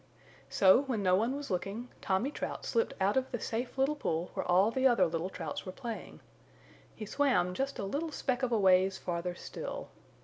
So, when no one was looking, Tommy Trout slipped out of the safe little pool where all the other little Trouts were playing. He swam just a little speck of a ways farther still.